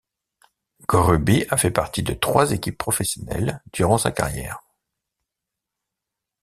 Grubby a fait partie de trois équipes professionnelles durant sa carrière.